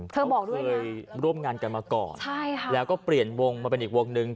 บอกด้วยเคยร่วมงานกันมาก่อนใช่ค่ะแล้วก็เปลี่ยนวงมาเป็นอีกวงนึง